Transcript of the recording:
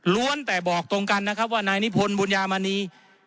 แต่บอกตรงกันนะครับว่านายนิพนธ์บุญญามณี